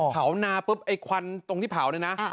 นาปุ๊บไอ้ควันตรงที่เผาเนี่ยนะ